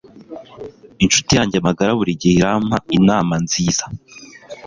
Inshuti yanjye magara burigihe irampa inama nziza.